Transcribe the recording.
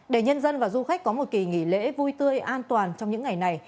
để nhân dân và du khách có một kỳ nghỉ lễ vui tươi an toàn trong những ngày này